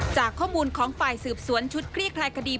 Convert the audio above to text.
จากข้อมูลของฝ่ายสืบสวนชุดคลี่คลายคดี